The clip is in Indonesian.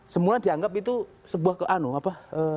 semua dianggap itu sebuah keanon apa